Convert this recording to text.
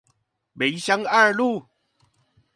民生二路